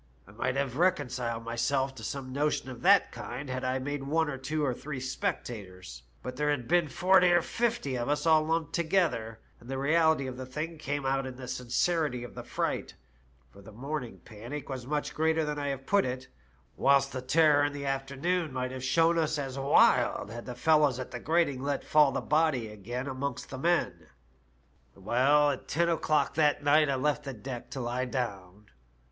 I might have reconciled myself to some notion of that kind had I made one of two or three spectators ; but here had been forty or fifty of us all lumped together, and the reality of the thing came out in the sincerity of the fright, for the morning panic was much greater than I have put it, whilst the terror in the afternoon might have shown as wild, had the fellows at the grating let fall the body again amongst the men. " Well, at ten o'clock that night I left the deck to lie down.